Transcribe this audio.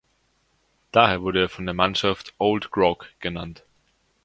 Daher wurde er von der Mannschaft "Old Grog" genannt.